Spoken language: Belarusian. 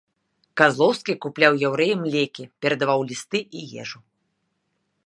Казлоўскі купляў яўрэям лекі, перадаваў лісты і ежу.